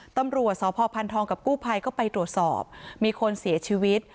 ตำรวจสพพันธองกับกู้ภัยก็ไปตรวจสอบมีคนเสียชีวิต